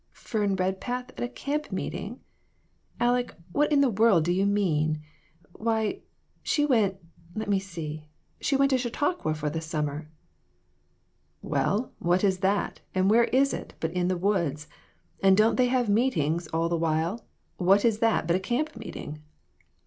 "Fern Redpath at a camp meeting! Aleck, what in the world do you mean ? Why, she went let me see she went to Chautauqua for the summer." "Well, what is that, and where is it, but in the woods ; and don't they have meetings all the while ? What is that but a camp meeting ?